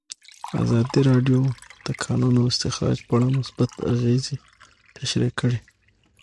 ازادي راډیو د د کانونو استخراج په اړه مثبت اغېزې تشریح کړي.